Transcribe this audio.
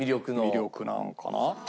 魅力なのかな。